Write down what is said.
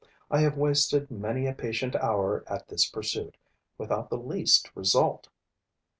I have wasted many a patient hour at this pursuit, without the least result.